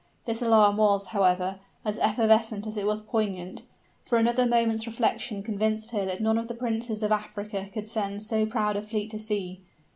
This alarm was, however, as evanescent as it was poignant; for another moment's reflection convinced her that none of the princes of Africa could send so proud a fleet to sea.